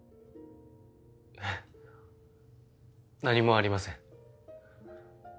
いえ何もありません。